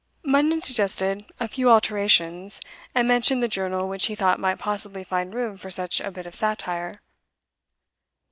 Munden suggested a few alterations, and mentioned the journal which he thought might possibly find room for such a bit of satire.